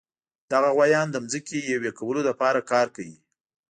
دغه غوایان د ځمکې یوې کولو لپاره کار کوي.